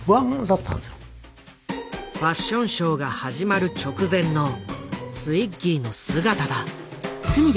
ファッションショーが始まる直前のツイッギーの姿だ。